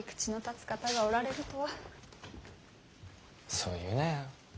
そう言うなよ。